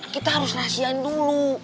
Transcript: kita harus rahasiain dulu